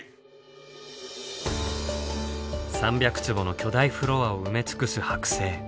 ３００坪の巨大フロアを埋め尽くす剥製。